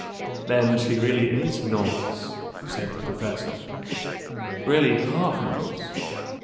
"Then she really is Norse," said the professor. "Really half Norse."